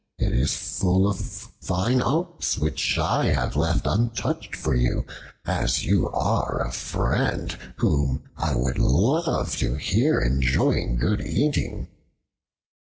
It is full of fine oats, which I have left untouched for you, as you are a friend whom I would love to hear enjoying good eating."